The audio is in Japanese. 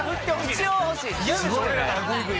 一応ほしいっす。